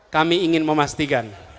kami ingin memastikan